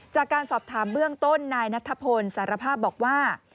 จากการสอบถามเบื้องต้นนายนัทพลสารภาพบอกว่า